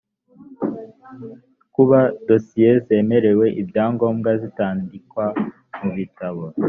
kuba dosiye zemerewe ibyangombwa zitandikwa mu bitabo